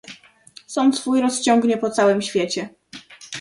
Sąd Swój rozciągnie po całym świecie